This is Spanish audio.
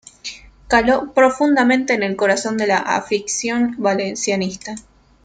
Caló profundamente en el corazón de la afición valencianista.